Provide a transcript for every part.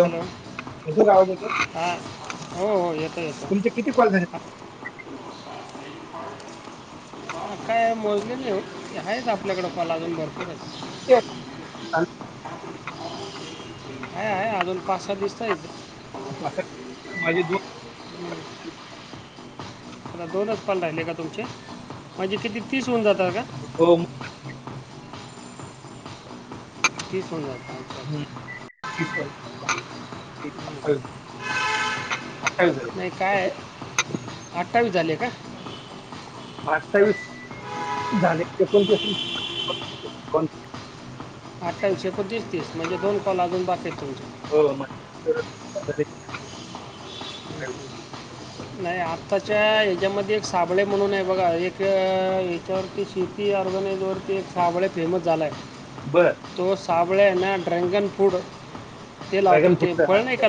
Hello. येतो का आवाज येतो हा. हो हो येतो येतो. तुमचे किती कॉल झाले [inaudible] हा काय मोजले नाही हो. आहेत आपल्याकडे कॉल आजून भरपूर ये. ते [unintelligible] हाय हाय अजून पाच सात दिसत आहे. अस माझे दोन [unintelligible] दोनच कॉल राहिले का तुमचे? माजे किती तीस होऊन जातात का? हो. ठीस आहे [inaudible] हम् [unintelligible] झाले नाही काय, हम्म. अठ्ठावीस झाले का? अठ्ठावीस झालेणतीस [unintelligible] अठ्ठावीस, एकोणतीस, तीस, म्हणजे दोन कॉल अजून बाकी आहेत तुमचे. हो म [unintelligible] नाही आत्ताच्या ह्याच्यामध्ये एक साबळे म्हणून आहे बघा एक हच्यावरती शी ती ऑर्गनाइज वरती एक साबळे फेमस झालाय. बरं. तो सावळेना ड्रॅगन फ्रूट ते लावतो ड्रॅगन ते फ्रूट फळ नाही का?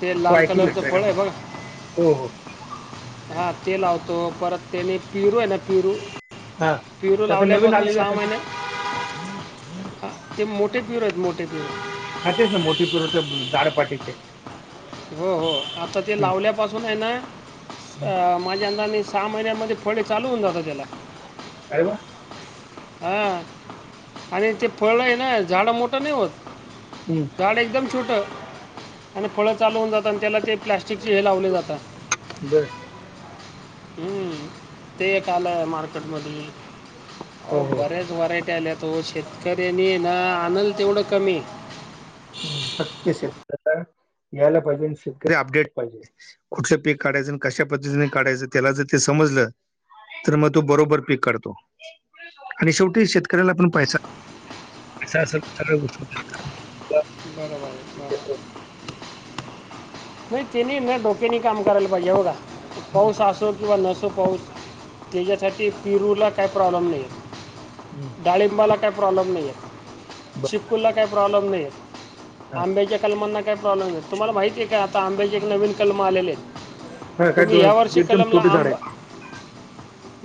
ते हो लाल ऐकलं कलरचं फळ ड्रॅगन आहे फ्रूट बघ हो हो... हा ते लावतो परत तेने पिरू आहे ना पिरू हा, पिरू त्या आता नवीन लावल्यापासून आलेली सहा आता. महिने हा, ते मोठे पेरू मोठे पेरू ह तेच ना मोठे पेरू ते जाडपाटीतले. हो हो, आता ते लावल्या पासून आहे हम्म. ना, माझ्या अंधाने सहा महिन्यामध्ये फळे चालू होऊन जातात त्याला. काव [unintelligible] हा, आणि ते फळ आहे ना झाड मोठं नाही होत. हम्. झाड एकदम छोटं, आणि फळं चालवून जातं आणि त्याला ते प्लॅस्टिकचे हे लावले जातात. बर. ह्, ते एक आलंय मार्केटमधी, हो आहों हो हो. बऱ्याच व्हरायटी आल्या. तो शेतकऱ्यांनी ना आणनल तेवढं कमी आहे. ह फक्त शेतकऱ्या यायला पाहिजे आणि शेतकरी अपडेट पाहिजे. कुठलं पीक काढायचं कशा पद्धतीने काढयचं त्याला जर ते समजलं तर मग तो बरोबर पीक काढतो, आणि शेवटी शेतकऱ्याला पण पैसा पैसा असल तर सगळ्या गोष्ट [unintelligible] बरोबर बा [inaudible] नाही त्यांनी नाही डोक्याने काम करायला पाहिजे, हे बघा हं, पाऊस असो किंवा नसो पाऊस त्याच्यासाठी पिरूला काही प्रॉब्लेम नाही हं, आहे, डाळिंबाला काही प्रॉब्लेम नाही आहे. बरं. चिकूला काही प्रॉब्लेम नाही, आंब्याच्या कलमांना काय प्रॉब्लेम आहे, तुम्हाला माहितीय का आता आंब्याचे एक नवीन कलम आले आहेत. हां, काय तुम्ही दोन ह्या वर्षी एकदम कलमला छोटे झाड आंब आहे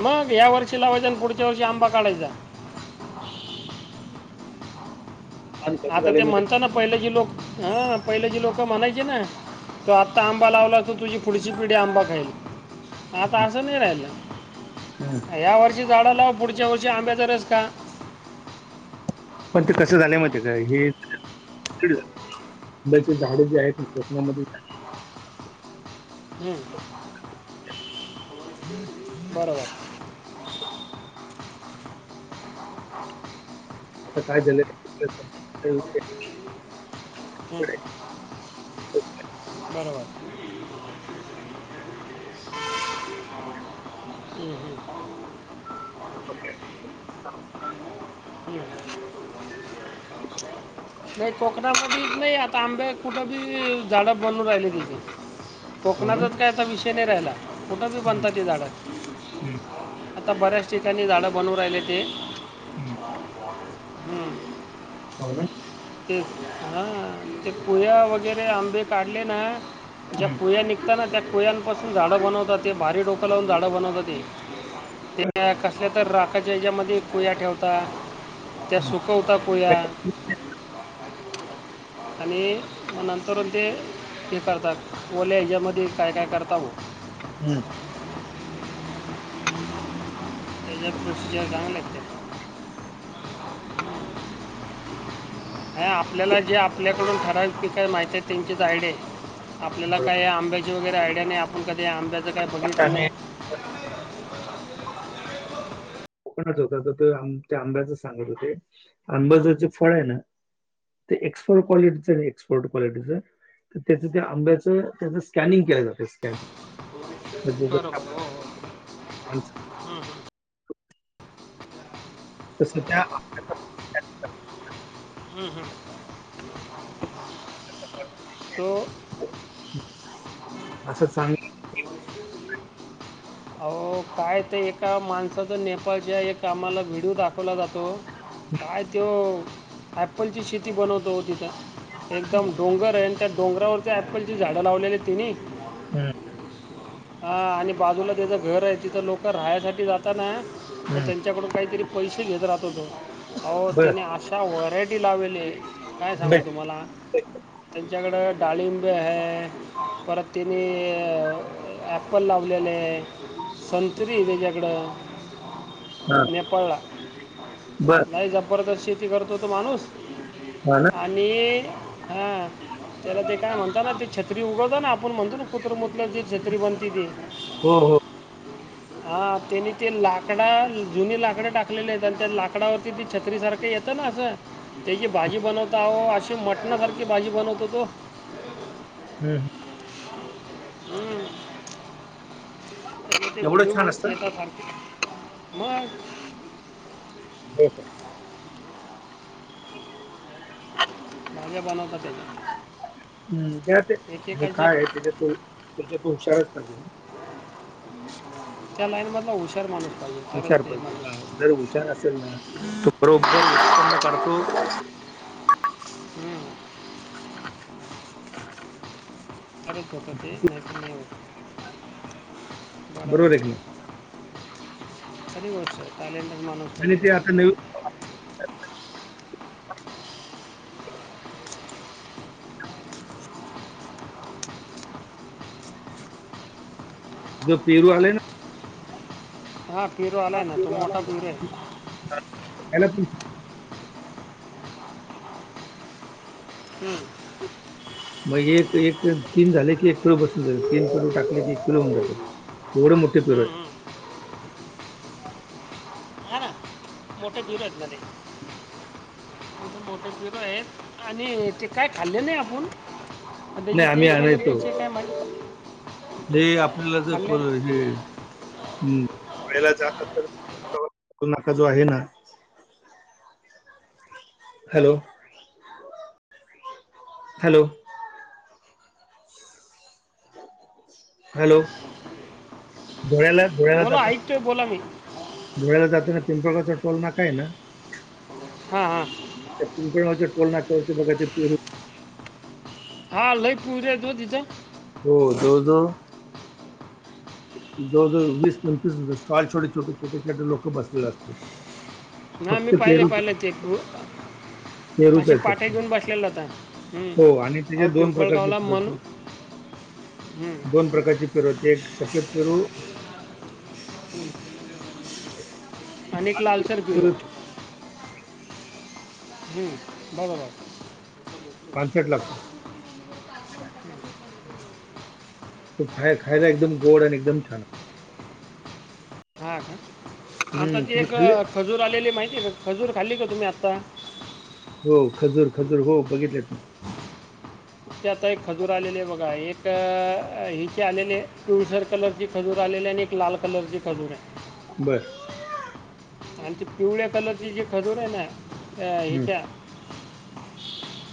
मग या वर्षी लावायचा पुढच्या वर्षी आंबा काढायचा. आणि कसं आता झालंय ते माहिती आहे म्हणतात ना पहिल्याची लोक, हं पहिलेची लोक म्हणायचे ना तू आत्ता आंबा लावला तर तुझी पुढची पिढी आंबा खाईल. आाता आस नाही राहिलं. हम, या वर्षी झाडं लाव, पुढच्या वर्षी आंब्याचा रस खा. पण ते कसं झालंय माहितेय काय हे तिकडं चल. आंब्याची झाडं जी आहेत कोकणामध्ये हं... बरोबर. आता काय झालंय [unintelligible] ह.. बरोबर. ह.. हं.. ह.. नाही कोकणामध्येच नाही, आता आंब्या कुठंबी झाडं बनून राहिली तिथे. हो ना? कोकणाचाच काय आता विषय नाही राहिला, कुठं बी हं, बनता ती झाडं. हं, आता बऱ्याच ठिकाणी झाडं बनवू राहिल्याती. [unintelligible] ह... पावनं तेच हां, ते पुया वगैरे आंबे काढले ना, ज्या हं, कुया निघ ताना त्या कोयांपासून झाडं बनवतात, ते भारी डोकं लावून झाडं बनवतात ते. त्या कसल्या तर राखच्या याच्यामध्ये कोया ठेवता. त्या हं. सुकवता कुया. आणि नंतरून ते हे करतात, ओल्या ह्याच्यामध्ये काय काय करताव. ह.. त्याजा प्रोसिजर [unintelligible] [unintelligible] नाही आपल्याला जे आपल्याकडून ठराविक जी काय माहिती आहे त्यांचीच आयडिया आहे. आपल्याला बरोबर. काय आंब्याची वगैरे आयडिया नाही, आपण कधी आंब्याचं काही आता बघितलं आम्ही नाही. फणस होता तर ते आंब्याचं सांगत होते, आंबाचं जे फळ आहे ना, ते एक्पोर्ट क्वालिटीचं, एकसपोर्ट क्वालिटींचं. त्याचं त्या आंब्याचं तेचं स्कॅनिंग केलं जातं, स्कॅनिंग. बरबर हो, हो. म्हणचा तस त्या आंब्याचं ह.. हं.. आपण तो अच्छा चांग आवो काय ते एका माणसाचा नेपाळच्या एक आम्हांला व्हिडिओ दाखवला जातो. काय त्यो अँपलची शेती बनवतो हो तिथं एकदम डोंगर आहे, आणि त्या डोंगरावरती ऍपल ची झाडं लावलेली आहे तेनी हा.. हा आणि बाजूला त्याचं घर आहे, तिथं लोक राह्यासाठी जाताना मग हं. त्यांच्याकडून काहीतरी पैसे घेत राहतो तो, आवो बर त्याने अशा अशा व्हरायटी लावेली हे काय बर सांगू तुम्हांला. त्यांच्याकडं डाळिंबे आहे. परत तेनी ऍपल लावलेले आहे. संत्री आहे त्याच्याकड. हां, नेपाळला बर नाही जबरदस्त शेती करतो होतो माणूस, हा, ना आणि हां त्याला ते काय म्हणता ना ते छत्री उगवत ना आपण म्हणतो. ना कुत्रा मुतल्या वर जी छत्री बनती ती. हो हो [inaudible] हा त्यांनी ते लाकडा जुनी लाकड टाकलेले आहेत आणि त्या लाकडावरती ती छत्रीसारखं येतं ना असं. त्याची भाजी बनवताहो अशी मटणासारखी भाजी बनवतो तो. ह्म्म्म. हम्म त्या ते एवढं छान व्हिडिओ असतं? येता सारखे मग. हम्म भाज्या बनवतात त्याच्या. हम्म त्या आणि एकेकाच्या काय आहे त्याच्या तो त्याच्या तो हुशारच पाहिजे. त्या लाईन मधला हुशार माणूस. पाहिजे हुशार तरच ते पाहिजे हा माणूस जर हुशार असेल ना त बरोबर उत्पन्न काढतो. हम्म प्रगती न नाही होत बरोबर आहे. खरी गोष्ट हाय ट्यालेंटेड माणूस पाहिज़े आणि ते त्याला. आता नवीन जो पेरू आलय ना. हा पेरू आलाय ना तो मोठा पेरू आहे. हॅलो हम्म मग एक एक तीन झाले की एक किलो बसून जात तीन किलो टाकले की एक किलो होऊ जातात एढं मोठ. किती पेरू आहे. ह ना [unintelligible] मोठे पेरू आहेत आणि ते काय खाल्ले नाही आपण. त्याची नाही आम्ही टेस्ट वगैरे आणायचो कशी आहे काय माहित. हे आपल्याला जर फळ जे पहिला जाताना जो पहिला टोल नाका आहे ना? हॅलो हॅलो हॅलो धुळे ला धुळे ला बोला जातात ऐकतोय बोला मी धुळे ला जाताना पिंपळ गावचा टोल नाका हाय ना. हा हा पिंपळगाव च्या टोल नाकवरती बघा ते पेरू हा लय पेरू हाईत ओ तिथं. हो जवळ जवळ [inaudible] जवळ जवळ वीस पंचवीस स्टॉल छोटे छोटे छोटे छोटे लोक बसले असतात. ना मी फक्त पाहिले पेरू पाहिले ते पेरू. पेरूच असे आहे पाटे फक्त घेऊन बसलेले हो आणि होता त्याचे दोन प्रकारचे पिंपळगावला पेरू मन. होते. दोन प्रकारची पेरू आहेत एक सफेद पेरू. हम् [unintelligible] अनेक लालसर पेरू तो हम. बरोबर. पांचट लागतात. तो बाहेर खायला एकदम गोड आणि एकदम छान हां. आता हं, ती तुम्ही एक खाल्ले? खजूर आलेली माहिती आहे का? खजूर खाल्ली का तुम्ही आत्ता? हो. खजूर खजूर. हो बघितलेत ना. त्यात एक खजूर आलेले बघा, एक हिचे आलेले तुळसर कलर ची खजूर आलेली, आणि लाल कलरची खजूर हाय. बर. आणि ते पिवळ्या कलरची जे खजूर आहे ना. अ हं. हेच्या.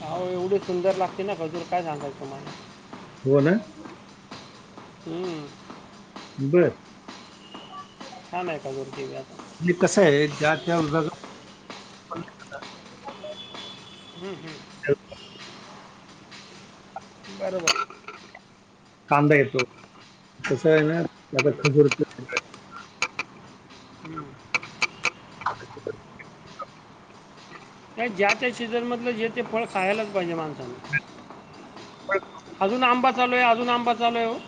आहो एवढी सुंदर लागते ना खजूर, काय सांगायच तुम्हाला. ओला. हम्म. बर. छान हाय कलर तेवढाच. आणि कसं आहे, ज्या त्या विभागा हम् हम्म. बरोबर. कांदा येतो. तस आहे ना. आता हम्म, खजूर च हम्म. [unintelligible] ज्या त्या सीझनमधलं जे ते फळ खायलाच पाहिजे माणसान. पण अजून आंबा चालू आहे, अजून आंबा चालू आहे वो.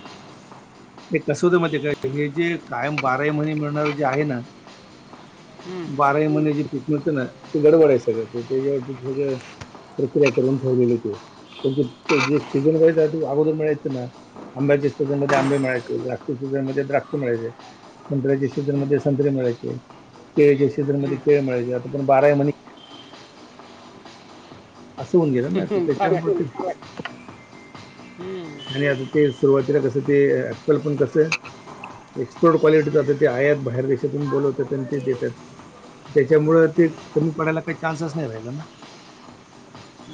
ते कसं होतंय माहितीय काय, हे जे कायम बाराही महिने मिळणार जे आहे ना. हम्म, बाराही महिने जे पिक होत ना, ते गडबड आहे सगळं प्रक्रिया करून ठेवलेल, सीझन वाईज आहे. अगोदर मिळायच ना. आंब्याच्या सीजन मध्ये आंबे मिळायचे. द्राक्ष सीजन मध्ये द्राक्ष मिळायचे. संत्र्याच्या सीजनमध्ये हम्म, संत्रे मिळायचे. केेळच्या हम्म, सीझनमध्ये केळं मिळायचे. आता पण बाराही महिने असं होऊन गेलं ना. हम्म. बरं आहे त्याच्यामूळ ते फळ हम्म. आणि आता ते सुरुवातीला कसं ते, अँपल पण कसं एक्सपोर्ट हम्म. क्वालिटीचा तर ते आयात बाहेर देशातून बोलवतात त्यांना ते देतात. त्याच्यामुळ ते कमी पडायला काही चान्सच नाही राहिलं ना.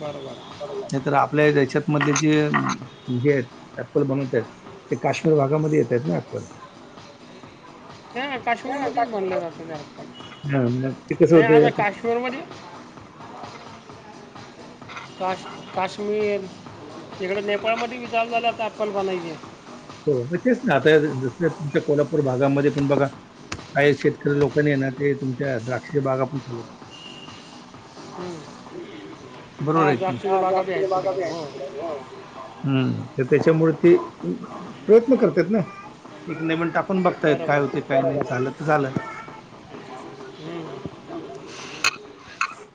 बरोबर. छत्र आपल्या हेच्यात मधले जे घे अप्पल बनवतायत. ते काश्मीर भागामध्ये येतेत ना अप्पल. हम. हा काश्मीरमध्येच बनले काकडी जातेत अँपल. हा मग ते कसं नाही होतंय आता काश्मीरमध्ये काश्मीर, तिकडें नेपाळमध्ये बी चालू झालं आता अँप्पल बनायच. हो. मग तेच ना. आता जस तुमच्या कोल्हापूर भागामध्ये तेन बघा. काही शेतकरी लोकानी ना ते तुमच्या द्राक्षच्या बाग आपण लावतो. हम्म. बरोबर हा हाय का द्राक्षाच्या नाही. बी आहेत द्राक्षाच्या बागा बी तिकडं हायत. हो हो. हम्म, त्याच्यामुळे ते प्रयत्न करत्यात ना. नाही पण टाकून बघतायेत, बरं काय बरं होतेय काय नाही, झालं तर झालं. हम्म. हो. [unintelligible]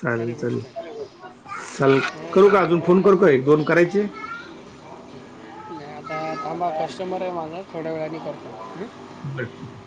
चालेल खरी चालेल, गोष्ट आहे चालेल हो करू का चला अजून फोन करू का एक दोन करायचे? नाही थांबा, कस्टंबर आहे माझा थोड्या वेळानी कॉल कॉल करतो. बर. [unintelligible]